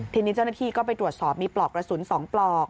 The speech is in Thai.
ทีนี้เจ้าหน้าที่ก็ไปตรวจสอบมีปลอกกระสุน๒ปลอก